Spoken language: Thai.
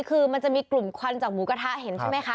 คือมันจะมีกลุ่มควันจากหมูกระทะเห็นใช่ไหมคะ